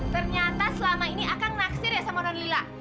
ternyata selama ini akang naksir ya sama nonlila